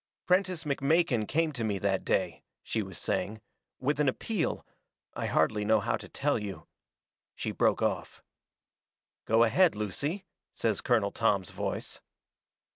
"Prentiss McMakin came to me that day," she was saying, "with an appeal I hardly know how to tell you." She broke off. "Go ahead, Lucy," says Colonel Tom's voice.